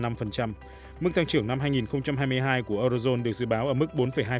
mức tăng trưởng năm hai nghìn hai mươi hai của eurozone được dự báo ở mức bốn hai